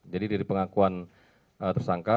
jadi dari pengakuan tersangka